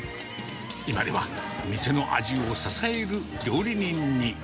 今では、店の味を支える料理人に。